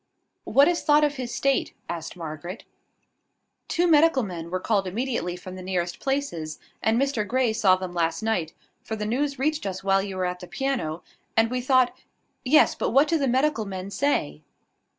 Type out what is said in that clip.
"What is thought of his state?" asked Margaret. "Two medical men were called immediately from the nearest places, and Mr Grey saw them last night; for the news reached us while you were at the piano, and we thought " "Yes but what do the medical men say?"